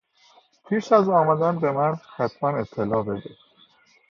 پیش از آمدن به من کتبا اطلاع بده.